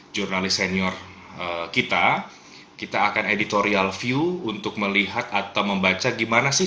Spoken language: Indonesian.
jurnalis senior kita kita akan editorial view untuk melihat atau membaca gimana sih